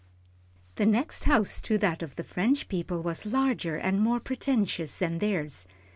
The next house to that of the French people was larger and more pretentious than theirs.